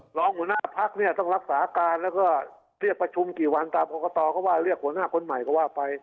รองหัวหน้าพักเนี่ยต้องรักษาการแล้วก็เรียกประชุมกี่วันตามกรกตก็ว่าเรียกหัวหน้าคนใหม่ก็ว่าไป